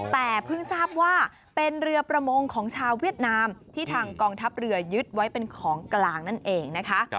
แต่เพิ่งทราบว่าเป็นเรือประมงของชาวเวียดนามที่ทางกองทัพเรือยึดไว้เป็นของกลางนั่นเองนะคะ